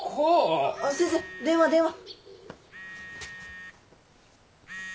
先生電話電話。